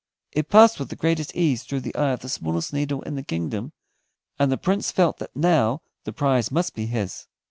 It passed with the greatest ease through the eye of the smallest needle in the kingdom, and the Prince felt that now the prize must be his.